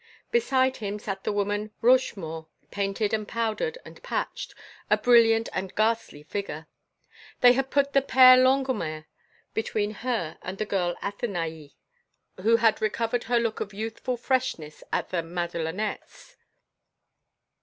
Beside him sat the woman Rochemaure, painted and powdered and patched, a brilliant and ghastly figure. They had put the Père Longuemare between her and the girl Athenaïs, who had recovered her look of youthful freshness at the Madelonnettes.